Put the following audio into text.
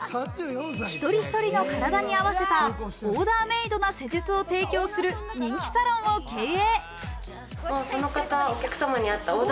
一人一人の体に合わせたオーダーメイドな施術を提供する人気サロンを経営。